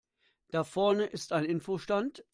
Da vorne ist ein Info-Stand.